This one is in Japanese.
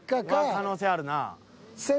可能性あるな。